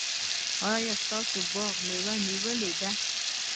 ایا ستاسو باغ مېوه نیولې ده؟